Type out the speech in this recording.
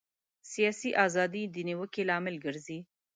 سیاسي ازادي د نیوکې لامل ګرځي.